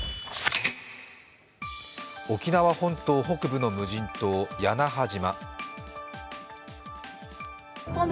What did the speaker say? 沖縄本島北部の無人島・屋那覇島。